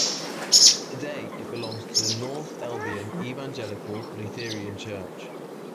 Today it belongs to the North Elbian Evangelical Lutheran Church.